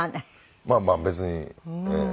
まあまあ別にええ。